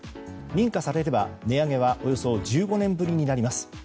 認可されれば、値上げはおよそ１５年ぶりになります。